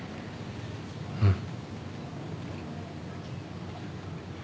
うん。